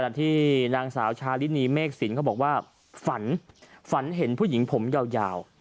ที่นางสาวชาลินีเมฆสินเขาบอกว่าฝันฝันเห็นผู้หญิงผมยาว